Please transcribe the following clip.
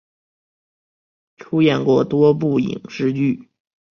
出演过多部影视剧。